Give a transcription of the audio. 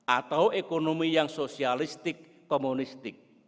atau ekonomi yang sosialistik komunistik